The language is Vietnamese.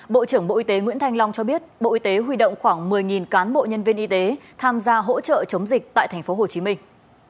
bộ trưởng bộ y tế nguyễn thanh long cho biết bộ y tế huy động khoảng một mươi cán bộ nhân viên y tế tham gia hỗ trợ chống dịch tại thành phố hồ chí minh